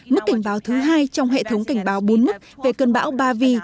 mức cảnh báo thứ hai trong hệ thống cảnh báo bốn mức về cơn bão ba vy